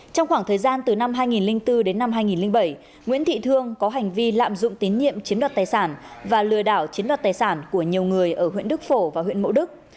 trong khoảng thời gian từ năm hai nghìn bốn đến năm hai nghìn bảy nguyễn thị thương có hành vi lạm dụng tín nhiệm chiếm đoạt tài sản và lừa đảo chiếm đoạt tài sản của nhiều người ở huyện đức phổ và huyện mộ đức